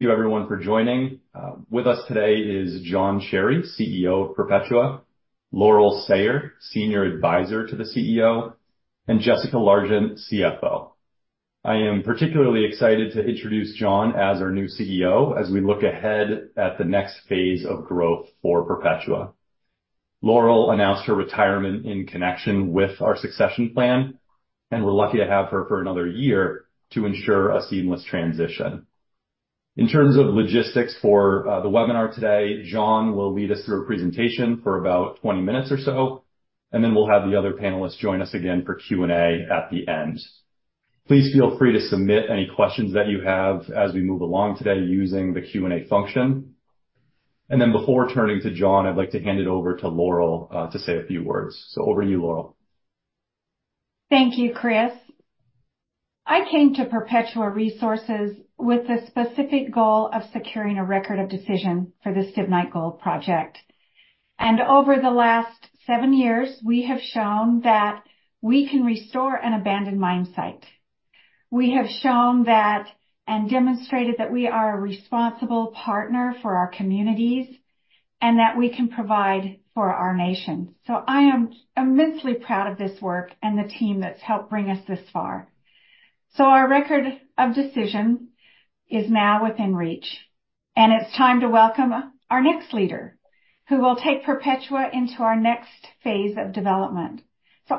Thank you everyone for joining. With us today is Jon Cherry, CEO of Perpetua, Laurel Sayer, Senior Advisor to the CEO, and Jessica Largent, CFO. I am particularly excited to introduce Jon as our new CEO as we look ahead at the next phase of growth for Perpetua. Laurel announced her retirement in connection with our succession plan, and we're lucky to have her for another year to ensure a seamless transition. In terms of logistics for the webinar today, Jon will lead us through a presentation for about 20 minutes or so, and then we'll have the other panelists join us again for Q&A at the end. Please feel free to submit any questions that you have as we move along today using the Q&A function. Then before turning to Jon, I'd like to hand it over to Laurel to say a few words. Over to you, Laurel. Thank you, Chris. I came to Perpetua Resources with the specific goal of securing a Record of Decision for the Stibnite Gold Project. Over the last seven years, we have shown that we can restore an abandoned mine site. We have shown that, and demonstrated that we are a responsible partner for our communities, and that we can provide for our nation. I am immensely proud of this work and the team that's helped bring us this far. Our Record of Decision is now within reach, and it's time to welcome our next leader, who will take Perpetua into our next phase of development.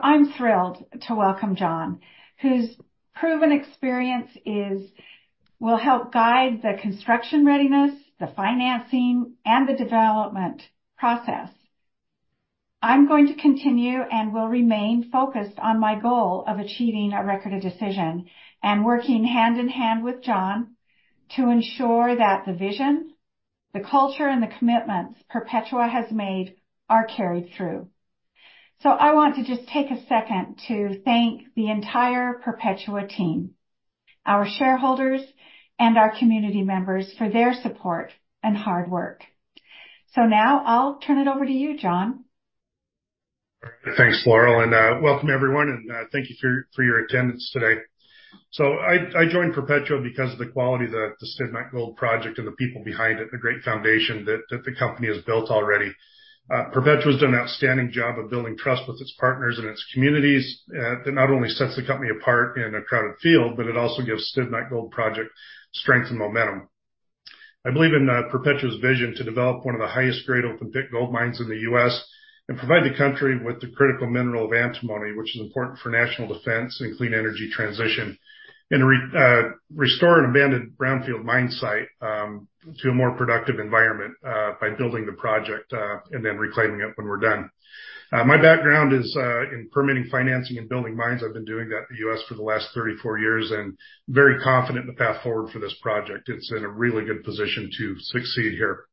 I'm thrilled to welcome Jon, whose proven experience is, will help guide the construction readiness, the financing, and the development process. I'm going to continue and will remain focused on my goal of achieving a Record of Decision and working hand in hand with Jon to ensure that the vision, the culture, and the commitments Perpetua has made are carried through. I want to just take a second to thank the entire Perpetua team, our shareholders, and our community members for their support and hard work. Now I'll turn it over to you, Jon. Thanks, Laurel, and welcome everyone, and thank you for your attendance today. So I joined Perpetua because of the quality that the Stibnite Gold Project and the people behind it, the great foundation that the company has built already. Perpetua's done an outstanding job of building trust with its partners and its communities, that not only sets the company apart in a crowded field, but it also gives Stibnite Gold Project strength and momentum. I believe in Perpetua's vision to develop one of the highest grade open-pit gold mines in the U.S. and provide the country with the critical mineral of antimony, which is important for national defense and clean energy transition, and restore an abandoned brownfield mine site, to a more productive environment, by building the project, and then reclaiming it when we're done. My background is in permitting, financing, and building mines. I've been doing that in the U.S. for the last 34 years, and very confident in the path forward for this project. It's in a really good position to succeed here.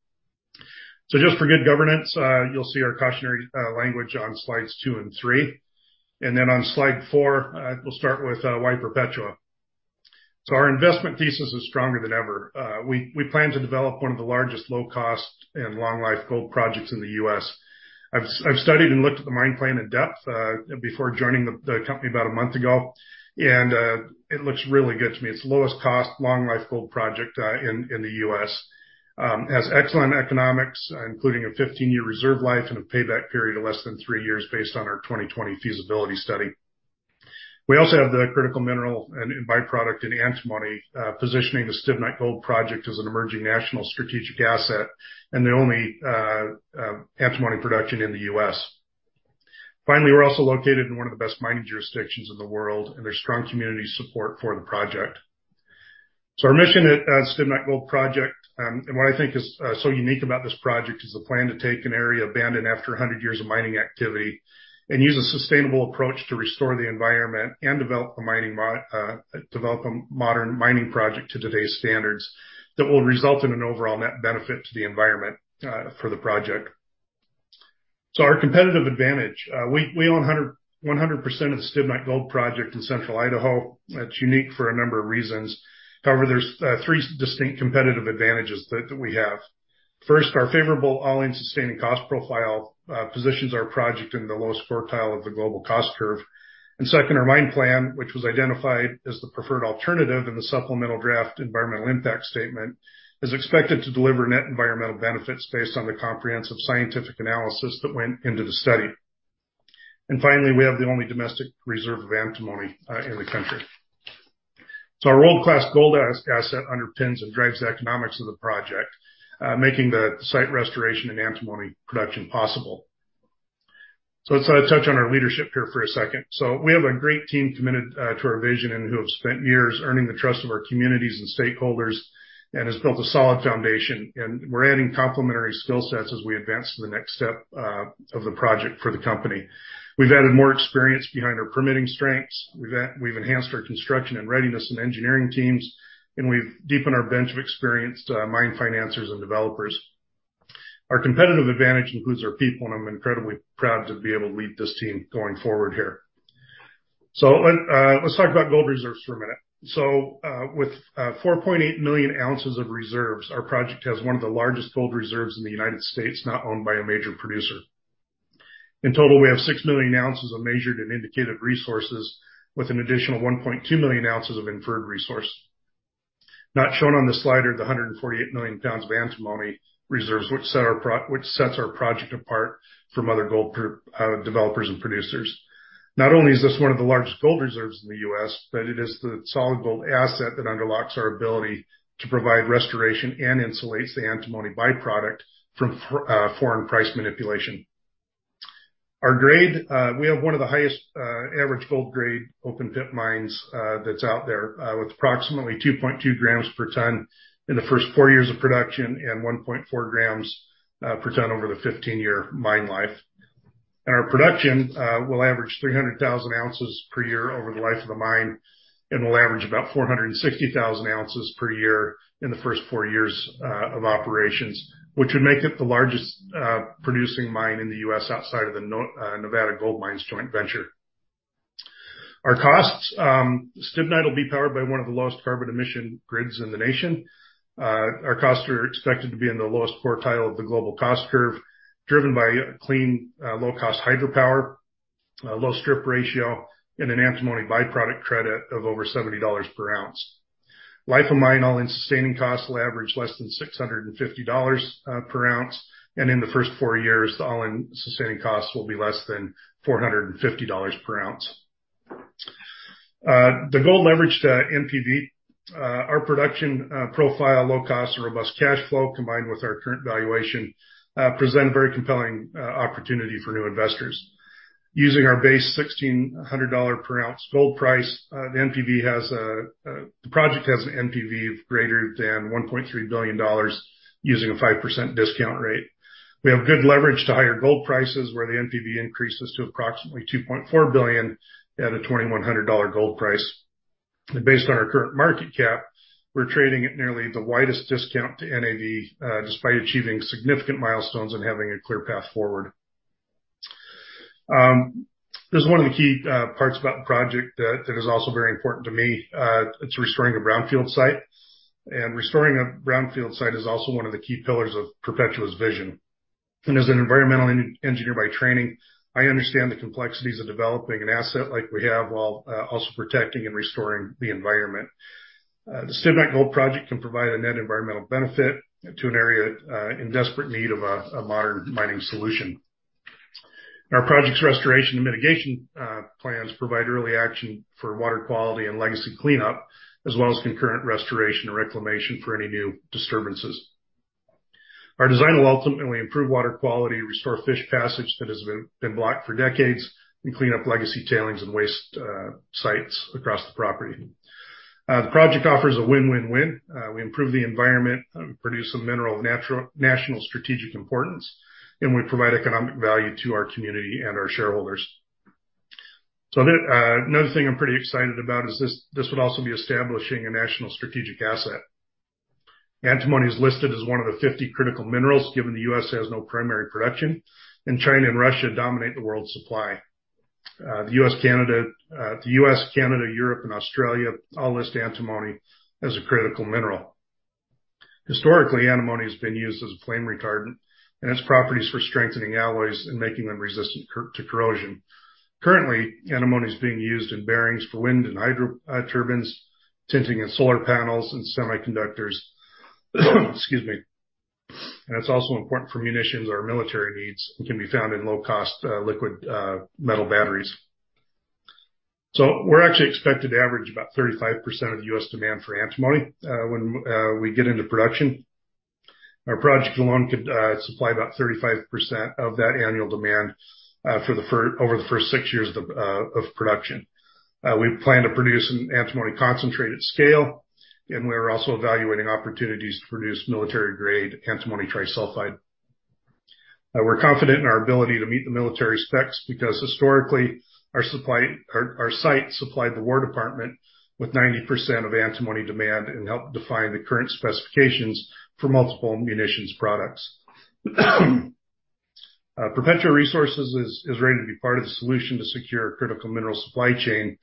Just for good governance, you'll see our cautionary language on slides two and three. Then on slide four, we'll start with Why Perpetua. Our investment thesis is stronger than ever. We plan to develop one of the largest low-cost and long-life gold projects in the U.S. I've studied and looked at the mine plan in depth before joining the company about a month ago, and it looks really good to me. It's the lowest cost, long-life gold project in the U.S. It has excellent economics, including a 15-year reserve life and a payback period of less than three years based on our 2020 feasibility study. We also have the critical mineral and byproduct in antimony, positioning the Stibnite Gold Project as an emerging national strategic asset and the only antimony production in the U.S. Finally, we're also located in one of the best mining jurisdictions in the world, and there's strong community support for the project. So our mission at Stibnite Gold Project, and what I think is so unique about this project, is the plan to take an area abandoned after 100 years of mining activity and use a sustainable approach to restore the environment and develop a modern mining project to today's standards that will result in an overall net benefit to the environment for the project. So our competitive advantage. We own 100% of the Stibnite Gold Project in central Idaho. It's unique for a number of reasons. However, there's three distinct competitive advantages that we have. First, our favorable all-in sustaining cost profile positions our project in the lowest quartile of the global cost curve. And second, our mine plan, which was identified as the preferred alternative in the Supplemental Draft Environmental Impact Statement, is expected to deliver net environmental benefits based on the comprehensive scientific analysis that went into the study. And finally, we have the only domestic reserve of antimony in the country. So our world-class gold asset underpins and drives the economics of the project, making the site restoration and antimony production possible. So let's touch on our leadership here for a second. So we have a great team committed to our vision and who have spent years earning the trust of our communities and stakeholders, and has built a solid foundation, and we're adding complementary skill sets as we advance to the next step of the project for the company. We've added more experience behind our permitting strengths, we've enhanced our construction and readiness and engineering teams, and we've deepened our bench of experienced, mine financiers and developers. Our competitive advantage includes our people, and I'm incredibly proud to be able to lead this team going forward here. Let's talk about gold reserves for a minute. So, with 4.8 million oz of reserves, our project has one of the largest gold reserves in the United States not owned by a major producer.... In total, we have 6 million oz of measured and indicated resources, with an additional 1.2 million ounces of inferred resource. Not shown on this slide are the 148 million lbs of antimony reserves, which sets our project apart from other gold peers, developers and producers. Not only is this one of the largest gold reserves in the U.S., but it is the solid gold asset that unlocks our ability to provide restoration and insulates the antimony by-product from foreign price manipulation. Our grade, we have one of the highest average gold grade open pit mines that's out there with approximately 2.2 grams per ton in the first four years of production and 1.4 grams per ton over the 15-year mine life. Our production will average 300,000 oz per year over the life of the mine, and will average about 460,000 oz per year in the first four years of operations, which would make it the largest producing mine in the U.S. outside of the Nevada Gold Mines Joint Venture. Our costs, Stibnite will be powered by one of the lowest carbon emission grids in the nation. Our costs are expected to be in the lowest quartile of the global cost curve, driven by a clean, low-cost hydropower, a low strip ratio, and an antimony by-product credit of over $70 per ounce. Life of mine, all-in sustaining costs will average less than $650 per ounce, and in the first four years, the all-in sustaining costs will be less than $450 per ounce. The gold leverage to NPV, our production profile, low cost and robust cash flow, combined with our current valuation, present a very compelling opportunity for new investors. Using our base $1,600 per ounce gold price, the project has an NPV of greater than $1.3 billion using a 5% discount rate. We have good leverage to higher gold prices, where the NPV increases to approximately $2.4 billion at a $2,100 gold price. Based on our current market cap, we're trading at nearly the widest discount to NAV, despite achieving significant milestones and having a clear path forward. There's one of the key parts about the project that is also very important to me. It's restoring a brownfield site, and restoring a brownfield site is also one of the key pillars of Perpetua's vision. As an environmental engineer by training, I understand the complexities of developing an asset like we have, while also protecting and restoring the environment. The Stibnite Gold Project can provide a net environmental benefit to an area in desperate need of a modern mining solution. Our project's restoration and mitigation plans provide early action for water quality and legacy cleanup, as well as concurrent restoration and reclamation for any new disturbances. Our design will ultimately improve water quality, restore fish passage that has been blocked for decades, and clean up legacy tailings and waste sites across the property. The project offers a win-win-win. We improve the environment, produce a mineral of national strategic importance, and we provide economic value to our community and our shareholders. So another thing I'm pretty excited about is this, this would also be establishing a national strategic asset. Antimony is listed as one of the 50 critical minerals, given the U.S. has no primary production, and China and Russia dominate the world's supply. The U.S., Canada, the U.S., Canada, Europe, and Australia all list antimony as a critical mineral. Historically, antimony has been used as a flame retardant and has properties for strengthening alloys and making them resistant to corrosion. Currently, antimony is being used in bearings for wind and hydro turbines, tinting in solar panels and semiconductors. Excuse me. And it's also important for munitions, our military needs, and can be found in low-cost liquid metal batteries. So we're actually expected to average about 35% of the U.S. demand for antimony when we get into production. Our project alone could supply about 35% of that annual demand for the over the first six years of production. We plan to produce an antimony concentrate at scale, and we are also evaluating opportunities to produce military-grade antimony trisulfide. We're confident in our ability to meet the military specs, because historically, our site supplied the War Department with 90% of antimony demand and helped define the current specifications for multiple munitions products. Perpetua Resources is ready to be part of the solution to secure critical mineral supply chain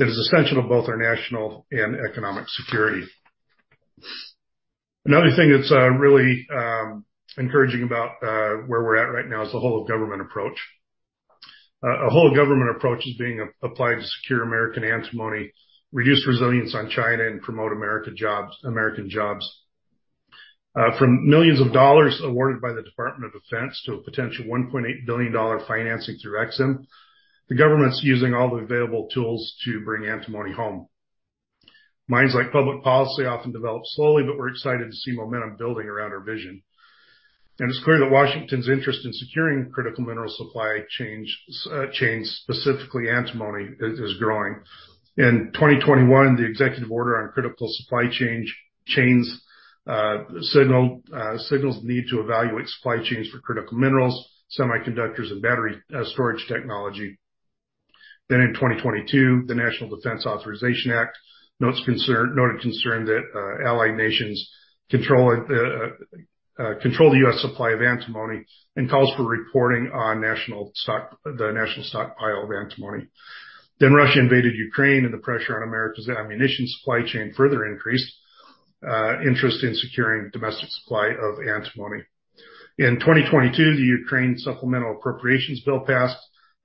that is essential to both our national and economic security. Another thing that's really encouraging about where we're at right now is the whole-of-government approach. A whole-of-government approach is being applied to secure American antimony, reduce reliance on China, and promote American jobs. From millions of dollars awarded by the Department of Defense to a potential $1.8 billion financing through EXIM, the government's using all the available tools to bring antimony home. Making public policy often develops slowly, but we're excited to see momentum building around our vision, and it's clear that Washington's interest in securing critical mineral supply chains, specifically antimony, is growing. In 2021, the executive order on critical supply chains signaled the need to evaluate supply chains for critical minerals, semiconductors, and battery storage technology. Then in 2022, the National Defense Authorization Act noted concern that allied nations control the U.S. supply of antimony and calls for reporting on the national stockpile of antimony. Then Russia invaded Ukraine, and the pressure on America's ammunition supply chain further increased interest in securing domestic supply of antimony. In 2022, the Ukraine Supplemental Appropriations Bill passed,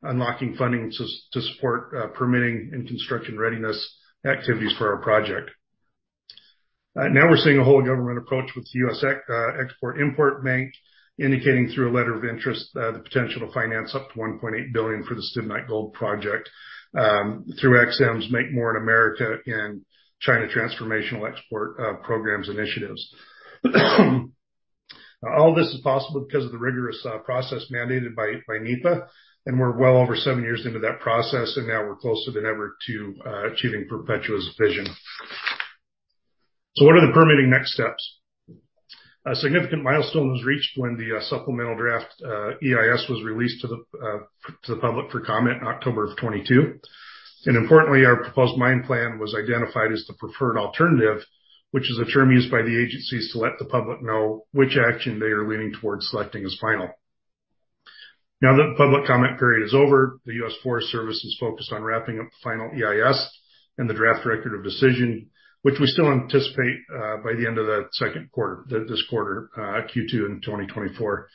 unlocking funding to support permitting and construction readiness activities for our project. Now we're seeing a whole government approach with the U.S. Export-Import Bank indicating through a letter of interest the potential to finance up to $1.8 billion for the Stibnite Gold Project through EXIM's Make More in America and China and Transformational Exports Program initiatives. All this is possible because of the rigorous process mandated by NEPA, and we're well over seven years into that process, and now we're closer than ever to achieving Perpetua's vision. What are the permitting next steps? A significant milestone was reached when the supplemental draft EIS was released to the public for comment in October of 2022. Importantly, our proposed mine plan was identified as the preferred alternative, which is a term used by the agencies to let the public know which action they are leaning towards selecting as final. Now that the public comment period is over, the U.S. Forest Service is focused on wrapping up the final EIS and the draft record of decision, which we still anticipate by the end of the second quarter, this quarter, Q2 in 2024,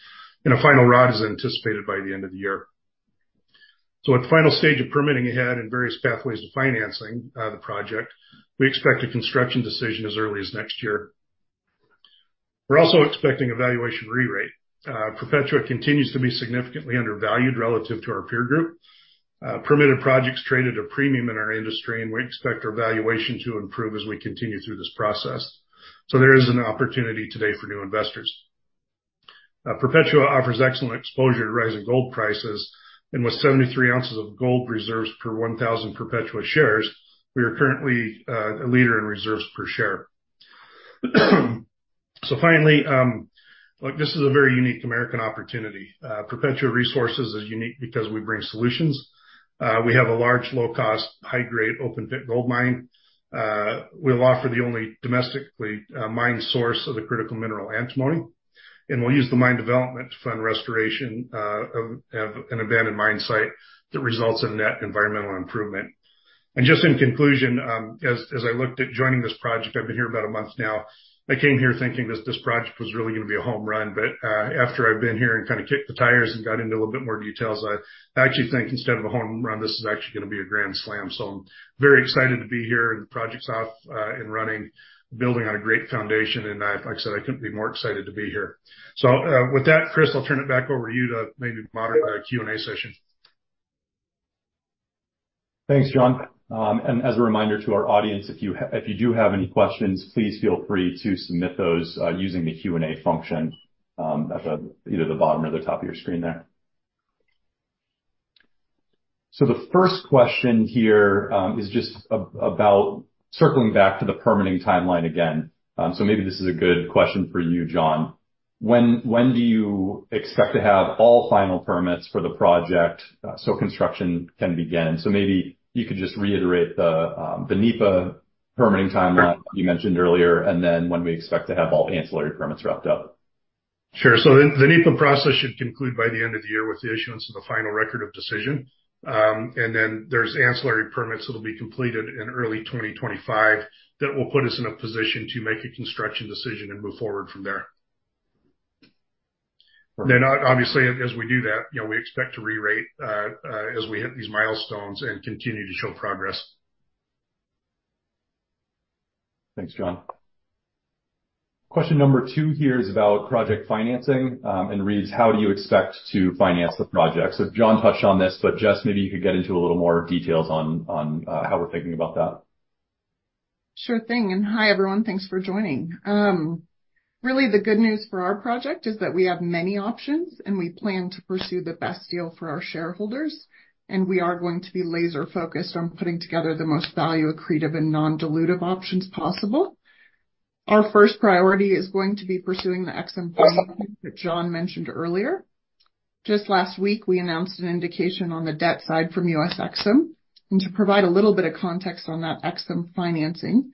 and a final ROD is anticipated by the end of the year. So with final stage of permitting ahead and various pathways to financing the project, we expect a construction decision as early as next year. We're also expecting a valuation re-rate. Perpetua continues to be significantly undervalued relative to our peer group. Permitted projects trade at a premium in our industry, and we expect our valuation to improve as we continue through this process, so there is an opportunity today for new investors. Perpetua offers excellent exposure to rising gold prices, and with 73 oz of gold reserves per 1,000 Perpetua shares, we are currently a leader in reserves per share. So finally, look, this is a very unique American opportunity. Perpetua Resources is unique because we bring solutions. We have a large, low-cost, high-grade, open-pit gold mine. We'll offer the only domestically mined source of the critical mineral antimony, and we'll use the mine development to fund restoration of an abandoned mine site that results in net environmental improvement. And just in conclusion, as I looked at joining this project, I've been here about a month now, I came here thinking this project was really gonna be a home run. After I've been here and kind of kicked the tires and got into a little bit more details, I actually think instead of a home run, this is actually gonna be a grand slam. So I'm very excited to be here, and the project's off and running, building on a great foundation, and I, like I said, I couldn't be more excited to be here. So, with that, Chris, I'll turn it back over to you to maybe moderate our Q&A session. Thanks, Jon. As a reminder to our audience, if you do have any questions, please feel free to submit those, using the Q&A function, at either the bottom or the top of your screen there. The first question here is just about circling back to the permitting timeline again. So maybe this is a good question for you, Jon. When do you expect to have all final permits for the project, so construction can begin? So maybe you could just reiterate the NEPA permitting timeline you mentioned earlier, and then when we expect to have all the ancillary permits wrapped up. Sure. So the NEPA process should conclude by the end of the year with the issuance of the final Record of Decision. And then there's ancillary permits that'll be completed in early 2025 that will put us in a position to make a construction decision and move forward from there. Perfect. Then obviously, as we do that, you know, we expect to re-rate, as we hit these milestones and continue to show progress. Thanks, Jon. Question number two here is about project financing, and reads: How do you expect to finance the project? So Jon touched on this, but Jess, maybe you could get into a little more details on how we're thinking about that. Sure thing, and hi, everyone. Thanks for joining. Really, the good news for our project is that we have many options, and we plan to pursue the best deal for our shareholders, and we are going to be laser focused on putting together the most value accretive and non-dilutive options possible. Our first priority is going to be pursuing the EXIM financing that Jon mentioned earlier. Just last week, we announced an indication on the debt side from U.S. EXIM, and to provide a little bit of context on that EXIM financing,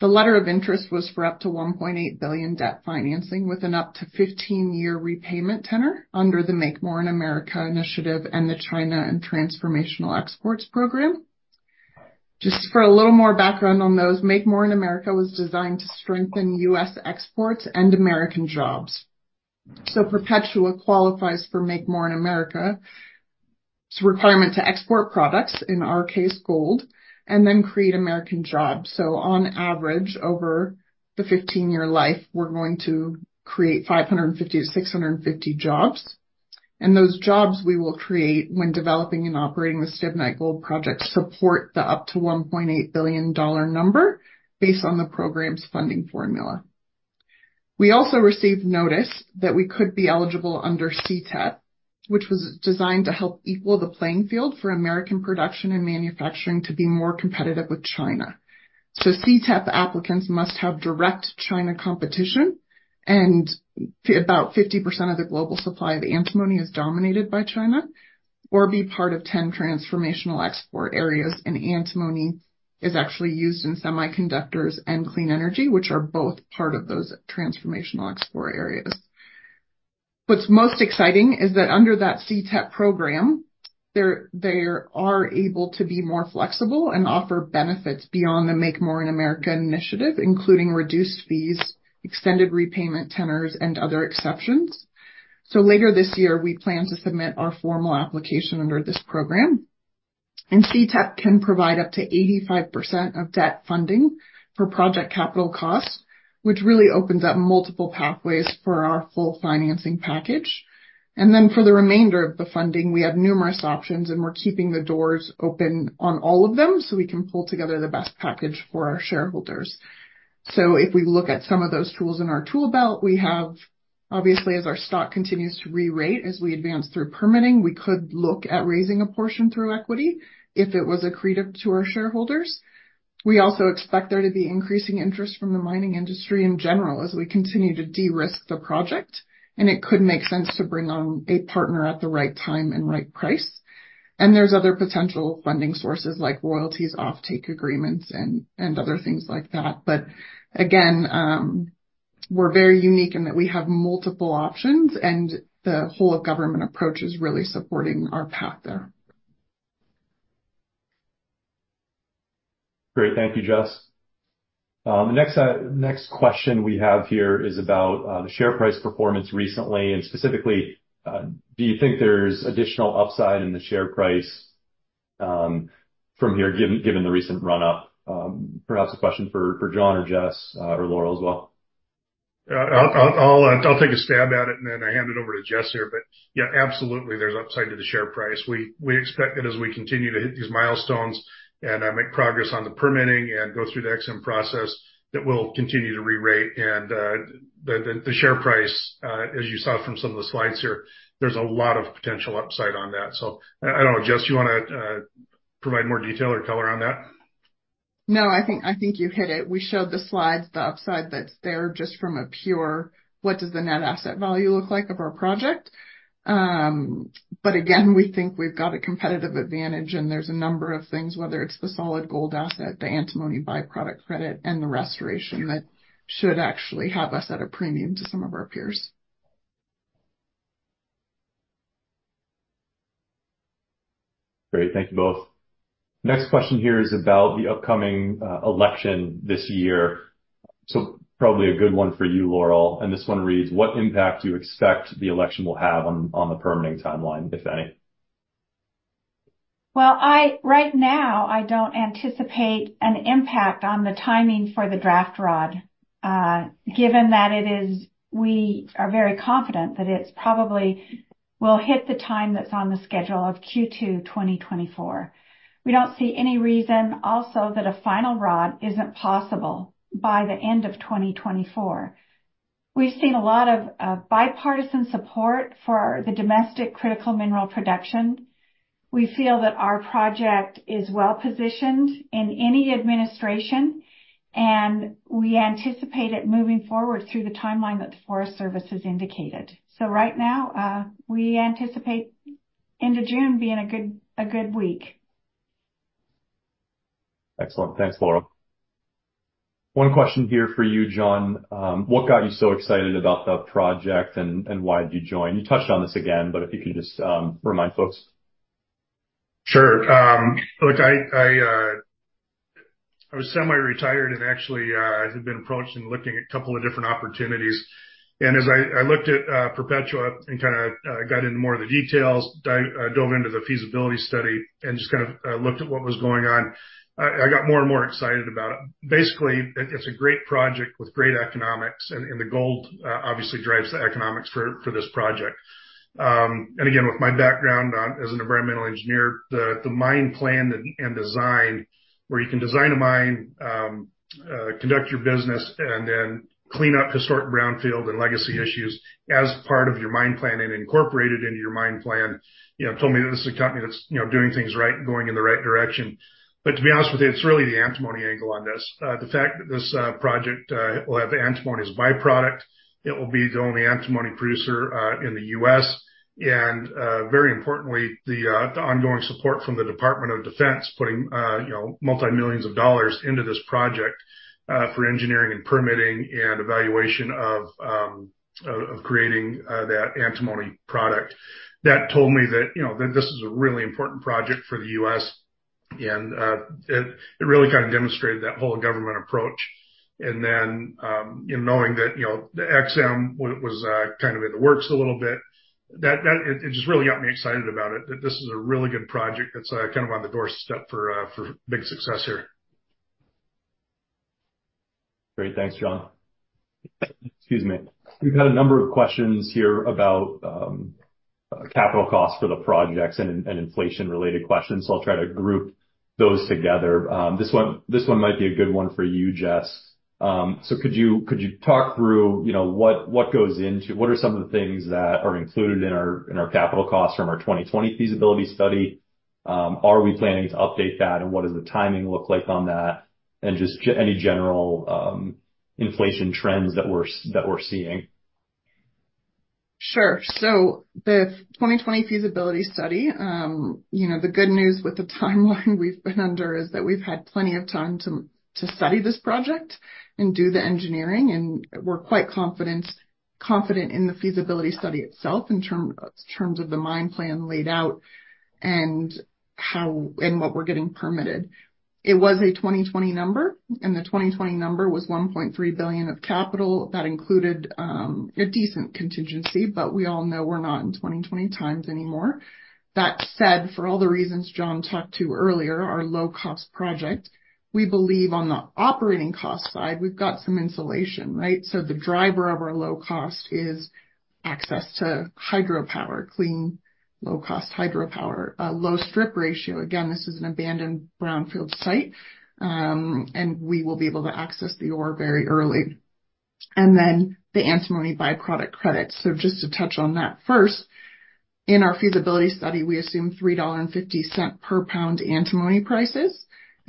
the letter of interest was for up to $1.8 billion debt financing with an up to 15-year repayment tenor under the Make More in America initiative and the China and Transformational Exports Program. Just for a little more background on those, Make More in America was designed to strengthen U.S. exports and American jobs. So Perpetua qualifies for Make More in America's requirement to export products, in our case, gold, and then create American jobs. So on average, over the 15-year life, we're going to create 550-650 jobs, and those jobs we will create when developing and operating the Stibnite Gold Project support the up to $1.8 billion number based on the program's funding formula. We also received notice that we could be eligible under CTEP, which was designed to help equal the playing field for American production and manufacturing to be more competitive with China. So CTEP applicants must have direct China competition, and about 50% of the global supply of antimony is dominated by China, or be part of 10 transformational export areas, and antimony is actually used in semiconductors and clean energy, which are both part of those transformational export areas. What's most exciting is that under that CTEP program, they are able to be more flexible and offer benefits beyond the Make More in America initiative, including reduced fees, extended repayment tenors, and other exceptions. So later this year, we plan to submit our formal application under this program, and CTEP can provide up to 85% of debt funding for project capital costs, which really opens up multiple pathways for our full financing package. Then for the remainder of the funding, we have numerous options, and we're keeping the doors open on all of them so we can pull together the best package for our shareholders. So if we look at some of those tools in our tool belt, we have, obviously, as our stock continues to rerate, as we advance through permitting, we could look at raising a portion through equity if it was accretive to our shareholders. We also expect there to be increasing interest from the mining industry in general, as we continue to de-risk the project, and it could make sense to bring on a partner at the right time and right price. There's other potential funding sources, like royalties, offtake agreements, and other things like that. But again, we're very unique in that we have multiple options, and the whole of government approach is really supporting our path there. Great. Thank you, Jess. The next question we have here is about the share price performance recently, and specifically, do you think there's additional upside in the share price, from here, given the recent run up? Perhaps a question for Jon or Jess, or Laurel as well. Yeah. I'll take a stab at it, and then I hand it over to Jess here. But yeah, absolutely, there's upside to the share price. We expect that as we continue to hit these milestones and make progress on the permitting and go through the EXIM process, that we'll continue to rerate. And the share price, as you saw from some of the slides here, there's a lot of potential upside on that. So I don't know, Jess, you wanna provide more detail or color on that? No, I think, I think you hit it. We showed the slides, the upside that's there just from a pure what does the net asset value look like of our project? But again, we think we've got a competitive advantage, and there's a number of things, whether it's the solid gold asset, the antimony byproduct credit, and the restoration, that should actually have us at a premium to some of our peers. Great. Thank you both. Next question here is about the upcoming election this year, so probably a good one for you, Laurel, and this one reads: What impact do you expect the election will have on the permitting timeline, if any? Well, right now, I don't anticipate an impact on the timing for the draft ROD, given that it is. We are very confident that it's probably will hit the time that's on the schedule of Q2 2024. We don't see any reason also that a final ROD isn't possible by the end of 2024. We've seen a lot of bipartisan support for the domestic critical mineral production. We feel that our project is well positioned in any administration, and we anticipate it moving forward through the timeline that the Forest Service has indicated. So right now, we anticipate end of June being a good week. Excellent. Thanks, Laurel. One question here for you, Jon. What got you so excited about the project, and why'd you join? You touched on this again, but if you could just remind folks. Sure. Look, I was semi-retired and actually had been approached and looking at a couple of different opportunities. As I looked at Perpetua and kind of got into more of the details, dove into the feasibility study and just kind of looked at what was going on, I got more and more excited about it. Basically, it's a great project with great economics, and, and the gold obviously drives the economics for this project. And again, with my background as an environmental engineer, the mine plan and design, where you can design a mine, conduct your business, and then clean up historic brownfield and legacy issues as part of your mine plan and incorporate it into your mine plan, you know, told me that this is a company that's, you know, doing things right, going in the right direction. But to be honest with you, it's really the antimony angle on this. The fact that this project will have antimony as a byproduct, it will be the only antimony producer in the U.S., and very importantly, the ongoing support from the Department of Defense, putting you know, multi-millions of dollars into this project for engineering and permitting and evaluation of creating that antimony product. That told me that, you know, that this is a really important project for the U.S., and it really kind of demonstrated that whole government approach. And then, you know, knowing that, you know, the EXIM was kind of in the works a little bit. It just really got me excited about it, that this is a really good project that's kind of on the doorstep for big success here. Great. Thanks, Jon. Excuse me. We've had a number of questions here about, capital costs for the projects and, and inflation-related questions, so I'll try to group those together. This one, this one might be a good one for you, Jess. So could you, could you talk through, you know, what, what goes into what are some of the things that are included in our, in our capital costs from our 2020 Feasibility Study? Are we planning to update that, and what does the timing look like on that? And just any general, inflation trends that we're, that we're seeing. Sure. So the 2020 feasibility study, you know, the good news with the timeline we've been under is that we've had plenty of time to study this project and do the engineering, and we're quite confident in the feasibility study itself in terms of the mine plan laid out, and how and what we're getting permitted. It was a 2020 number, and the 2020 number was $1.3 billion of capital. That included a decent contingency, but we all know we're not in 2020 times anymore. That said, for all the reasons Jon talked to earlier, our low-cost project, we believe on the operating cost side, we've got some insulation, right? So the driver of our low cost is access to hydropower, clean, low-cost hydropower, low strip ratio. Again, this is an abandoned brownfield site, and we will be able to access the ore very early. And then the antimony byproduct credit. So just to touch on that. First, in our feasibility study, we assumed $3.50 per pound antimony prices.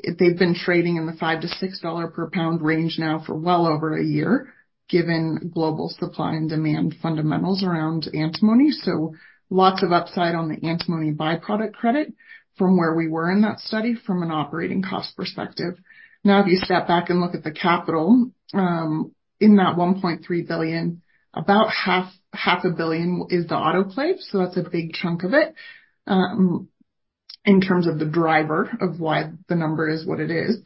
They've been trading in the $5-$6 per pound range now for well over a year, given global supply and demand fundamentals around antimony. So lots of upside on the antimony byproduct credit from where we were in that study from an operating cost perspective. Now, if you step back and look at the capital, in that $1.3 billion, about half, $500 million is the autoclave, so that's a big chunk of it, in terms of the driver of why the number is what it is.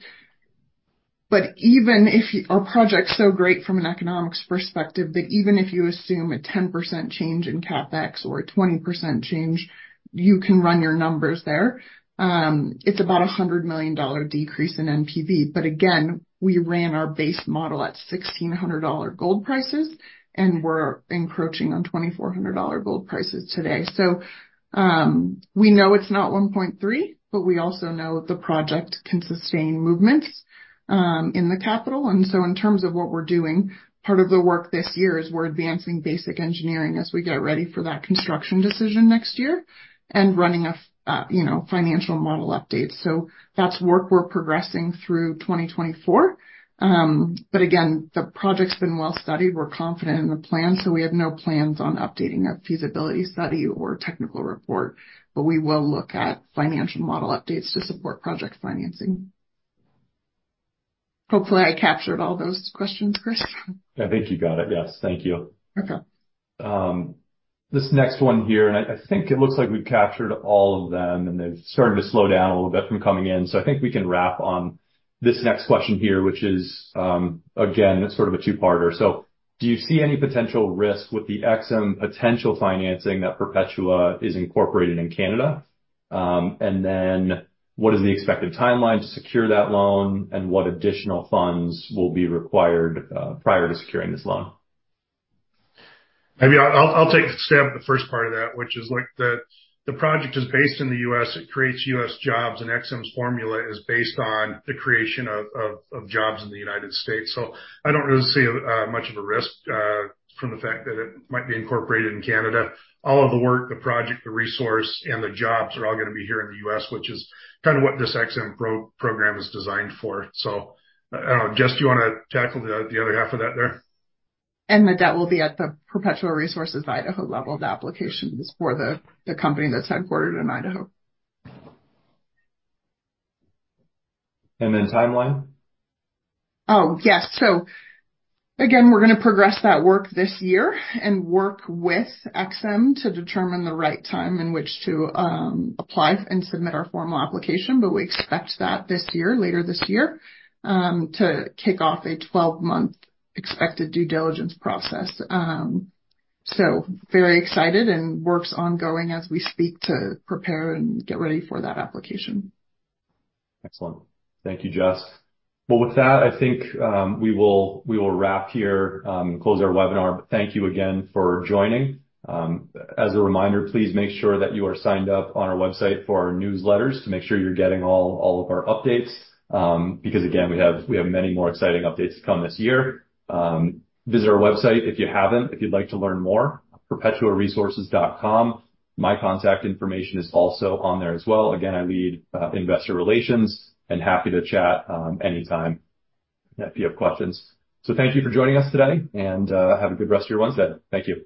But even if you, our project's so great from an economics perspective, that even if you assume a 10% change in CapEx or a 20% change, you can run your numbers there. It's about a $100 million decrease in NPV. But again, we ran our base model at $1,600 gold prices, and we're encroaching on $2,400 gold prices today. So, we know it's not 1.3, but we also know the project can sustain movements in the capital. And so in terms of what we're doing, part of the work this year is we're advancing basic engineering as we get ready for that construction decision next year and running a you know financial model update. So that's work we're progressing through 2024. But again, the project's been well studied. We're confident in the plan, so we have no plans on updating our feasibility study or technical report, but we will look at financial model updates to support project financing. Hopefully, I captured all those questions, Chris? I think you got it. Yes, thank you. Okay. This next one here, and I think it looks like we've captured all of them, and they're starting to slow down a little bit from coming in, so I think we can wrap on this next question here, which is, again, sort of a two-parter. So do you see any potential risk with the EXIM potential financing that Perpetua is incorporated in Canada? And then what is the expected timeline to secure that loan, and what additional funds will be required prior to securing this loan? I mean, I'll take a stab at the first part of that, which is, like, the project is based in the U.S., it creates U.S. jobs, and EXIM's formula is based on the creation of jobs in the United States. So I don't really see much of a risk from the fact that it might be incorporated in Canada. All of the work, the project, the resource, and the jobs are all gonna be here in the U.S., which is kind of what this EXIM program is designed for. So I don't know. Jess, do you wanna tackle the other half of that there? The debt will be at the Perpetua Resources Idaho level. The application is for the company that's headquartered in Idaho. And then timeline? Oh, yes. So again, we're gonna progress that work this year and work with EXIM to determine the right time in which to, apply and submit our formal application. But we expect that this year, later this year, to kick off a 12-month expected due diligence process. So very excited and work's ongoing as we speak to prepare and get ready for that application. Excellent. Thank you, Jess. Well, with that, I think we will, we will wrap here, close our webinar. Thank you again for joining. As a reminder, please make sure that you are signed up on our website for our newsletters, to make sure you're getting all, all of our updates, because, again, we have, we have many more exciting updates to come this year. Visit our website if you haven't, if you'd like to learn more, perpetuaresources.com. My contact information is also on there as well. Again, I lead investor relations and happy to chat anytime if you have questions. So thank you for joining us today, and have a good rest of your Wednesday. Thank you.